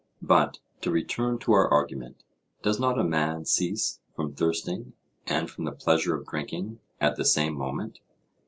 But to return to our argument:—Does not a man cease from thirsting and from the pleasure of drinking at the same moment?